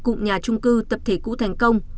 cụm nhà trung cư tập thể cũ thành công